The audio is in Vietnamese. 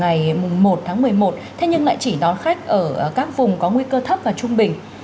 ngày một tháng một mươi một thế nhưng lại chỉ đón khách ở các vùng có nguy cơ thấp và trung bình